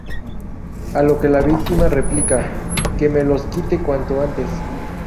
A lo que la víctima replica: "¡Que me los quite cuanto antes".